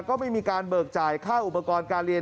ก็ไม่มีการเบิกจ่ายค่าอุปกรณ์การเรียน